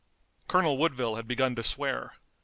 Colonel Woodville had begun to swear.